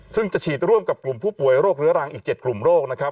ซึ่งจะฉีดร่วมกับกลุ่มผู้ป่วยโรคเรื้อรังอีก๗กลุ่มโรคนะครับ